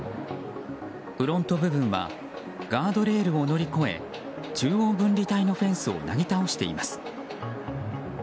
フロント部分はガードレールを乗り越え中央分離帯のフェンスをなぎ倒しています。